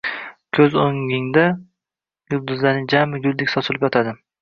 Ko‘z o‘ngingda yulduzlarning jami guldek ochilib yotadi...